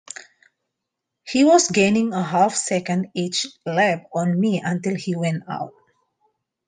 He was gaining a half-second each lap on me until he went out.